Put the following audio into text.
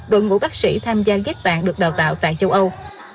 đội ngũ bác sĩ tham gia ghép tạng được đào tạo tại châu âu